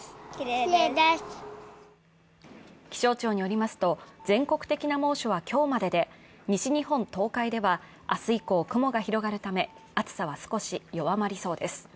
気象庁によりますと全国的な猛暑は今日までで、西日本、東海では明日以降、雲が広がるため暑さは少し弱まりそうです。